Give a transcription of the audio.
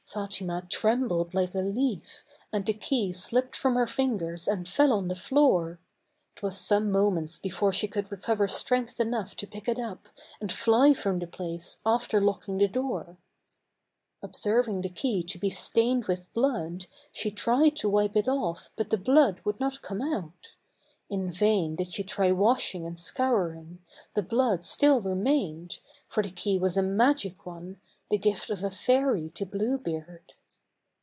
Fatima trembled like a leaf, and the key slipped from her fingers and fell on the floor. It was some moments before she could recover strength enough to pick it up, and fly from the place, after locking the door. Observing the key to be stained with blood, she tried to wipe it off, but the blood would not come out. In vain did she try washing and scouring, the blood still remained, for the key was a magic one, the gift of a fairy to Blue Beard.